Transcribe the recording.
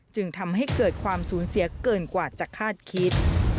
จึงทำให้เกิดความสูญเสียเกินกว่าจะคาดคิด